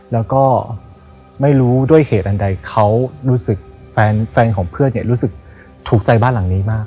แล้วก็ไม่รู้ด้วยเหตุอันใดเขารู้สึกแฟนของเพื่อนรู้สึกถูกใจบ้านหลังนี้มาก